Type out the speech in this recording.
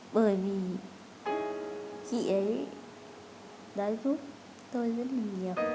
bởi vì chị ấy đã giúp tôi rất là nhiều